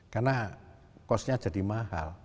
karena costnya jadi mahal